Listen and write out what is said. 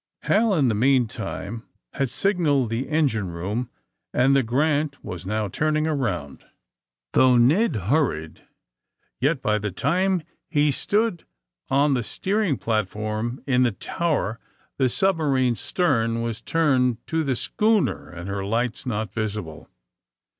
Hal, in the meantime, had signaled the engine room and the "Grant" was now turning around. Though Ned hurried, yet by the time he stood 172 THE SUBMAEINE BOYS on the steering platform in the tower the aub marine's stern was turned to the schooner and her lights not visible.